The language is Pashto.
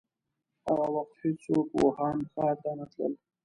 هغه وخت هيڅوک ووهان ښار ته نه تلل.